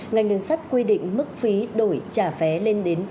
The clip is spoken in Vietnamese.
ngành đường sắt quy định mức phí đổi trả vé lên đến ba mươi